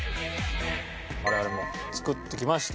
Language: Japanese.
我々も作ってきました。